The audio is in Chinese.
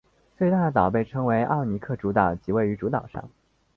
最大的岛被称为奥克尼主岛即位于主岛上。